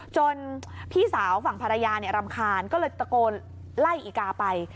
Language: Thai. จนพี่สาวฝั่งภรรยารำคาญก็เลยตะโกนไล่อีกาไป